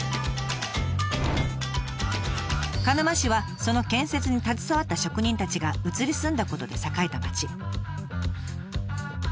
鹿沼市はその建設に携わった職人たちが移り住んだことで栄えた町。